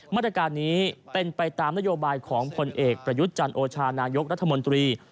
มาตรการนี้เป็นไปตามนโยบายของผลเอกประยุทธ์จันโอชานายกรัฐมนตรี